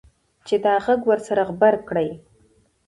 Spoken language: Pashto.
چې دا غږ ورسره غبرګ کړي.